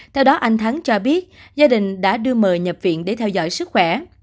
theo đó anh thắng cho biết gia đình đã đưa mờ nhập viện để theo dõi sức khỏe